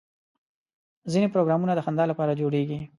ځینې پروګرامونه د خندا لپاره جوړېږي.